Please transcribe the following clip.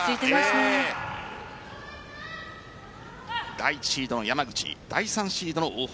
第１シードの山口第３シードの大堀。